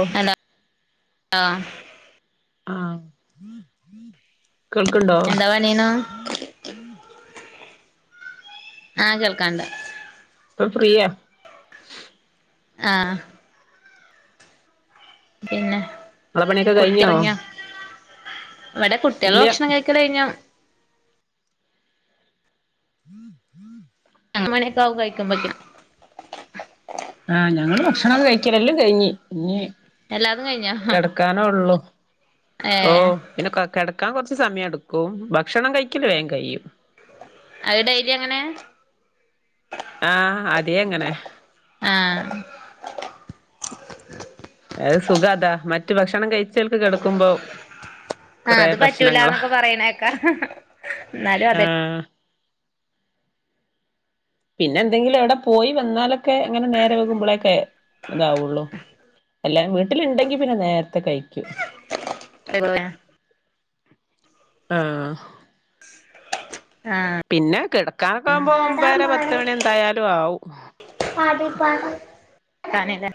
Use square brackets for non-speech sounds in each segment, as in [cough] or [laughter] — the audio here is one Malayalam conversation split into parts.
ആഹ് ആ ആ എന്താ പണീണു ആ കേൾക്കാണ്ട പ്പം ഫ്രീയാ ആഹ് പിന്നെ നളെ പണിയൊക്ക കഴിഞ്ഞോ കുട്ടിറങ്ങിയോ ഇവിടെ കുട്ടികള് ഇല്ല ഭക്ഷണം കഴിക്കല് കഴിഞ്ഞു [unintelligible] ഏട്ടമണിക്കെ ആവും കഴികുമ്പഴത്തേന് ആഹ് ഞങ്ങള് ഭക്ഷണൊക്കെ കഴിക്കലെല്ലാം കഴിഞ്ഞ് ഇനീ എല്ലാതും കഴിഞ്ഞോ കടകാനു ഓ ഏഹ് പിന്നെ ക കെടക്കാൻ കൊറച്ച് സമയെടുക്കും ഭക്ഷണം കഴിക്കല് വേഗം കഴിയും അത് ഡെയിലിഎങ്ങനെയാ ആ അതേ അങ്ങനെ ആഹ് അത് സുഖാതാ മറ്റു ഭക്ഷണം കഴിച്ചിട്ട് കെടക്കുമ്പോ ആ കൊറേ അത് പ്രശ്നങ്ങളാ പറ്റൂലാന്നോക്കെ പറയണേക്കാ ഹ ഹ എന്നാലും അതെ ആഹ് പിന്നെ എന്തെങ്കിലുവിടെ പോയി വന്നാലൊക്കെ എങ്ങനെ നേരെ വെകുമ്പളൊക്കെ ഇതാവുള്ളു എല്ലാരും വീട്ടിലിണ്ടെങ്കി പിന്നെ നേരത്തെ കഴിക്കും എന്ന ആ പിന്നെ കെടക്കാനാവുമ്പോ ഒമ്പര പത്ത്മണി എന്തായാലും ആവും ആണ്ല്ലെ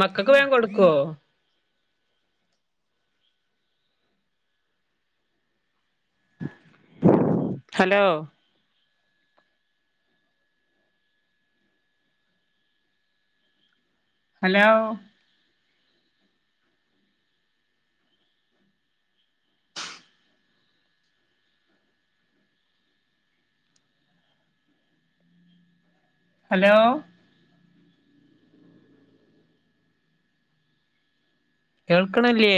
മക്കക്ക് വേൻ കൊടുക്കോ ഹലോ ഹലോ ഹലോ കേൾക്ക്ണ്ല്ലേ